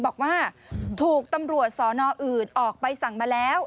บอกว่าถูกตำรวจสอนออื่นออกใบสั่งมาแล้ว